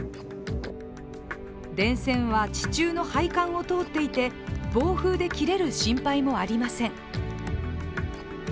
電線は、地中の配管を通っていて暴風で切れる心配もありません。